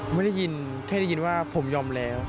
ไม่ได้ยินแค่ได้ยินว่าผมยอมแล้ว